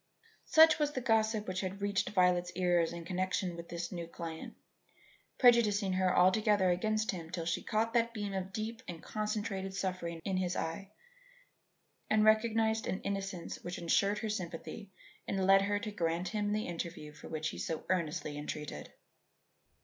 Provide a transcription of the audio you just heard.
Such was the gossip which had reached Violet's ears in connection with this new client, prejudicing her altogether against him till she caught that beam of deep and concentrated suffering in his eye and recognized an innocence which ensured her sympathy and led her to grant him the interview for which he so earnestly entreated.